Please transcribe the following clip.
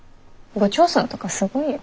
部長さんとかすごいよ。